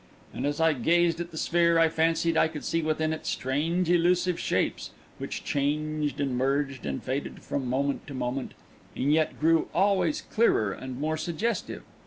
And as I gazed at the sphere, I fancied I could see within it strange, elusive shapes, which changed and merged and faded from moment to moment, and yet grew always clearer and more suggestive.